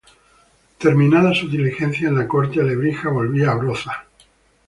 Terminadas sus diligencias en la Corte, Lebrija volvía a Brozas.